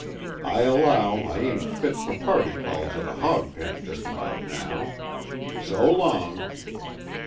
I allow I ain't fit for party calls at a hog pen just about now. So long."